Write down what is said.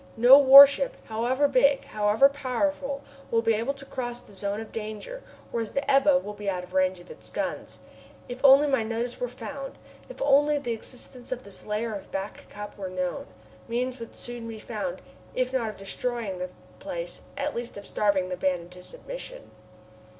No warship, however big, however powerful, will be able to cross the zone of danger, whereas the Ebba will be out of range of its guns. If only my notice were found! If only the existence of this lair of Back Cup were known! Means would soon be found, if not of destroying the place, at least of starving the band into submission!